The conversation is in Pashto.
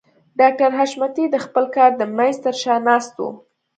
ډاکټر حشمتي د خپل کار د مېز تر شا ناست و.